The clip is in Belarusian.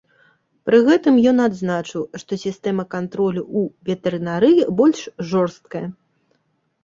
Пры гэтым ён адзначыў, што сістэма кантролю ў ветэрынарыі больш жорсткая.